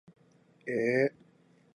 えー